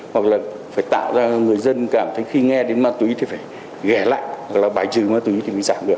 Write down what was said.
hoặc là phải tạo ra người dân cảm thấy khi nghe đến ma túy thì phải ghẻ lạnh hoặc là bài trừ ma túy thì mới giảm được